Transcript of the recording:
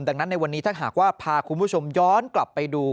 ดังนั้นในวันนี้ถ้าหากว่าพาคุณผู้ชมย้อนกลับไปดู